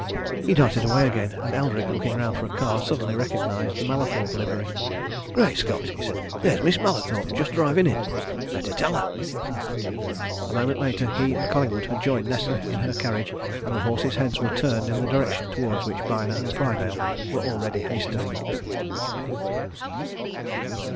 He darted away again, and Eldrick looking round for a car, suddenly recognized the Mallathorpe livery. "Great Scott!" he said. "There's Miss Mallathorpe just driving in. Better tell her!" A moment later, he and Collingwood had joined Nesta in her carriage, and the horses' heads were turned in the direction towards which Byner and Prydale were already hastening.